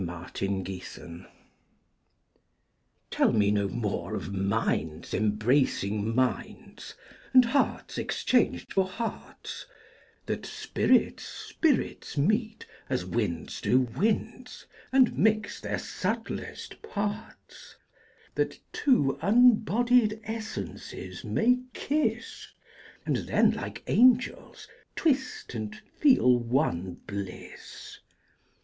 0 Autoplay Tell me no more of minds embracing minds, And hearts exchang'd for hearts; That spirits spirits meet, as winds do winds, And mix their subt'lest parts; That two unbodied essences may kiss, And then like Angels, twist and feel one Bliss.